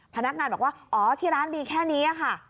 พนักงานบอกว่าอ๋อที่ร้านมีแค่นี้ค่ะ